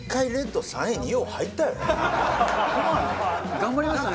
頑張りましたね。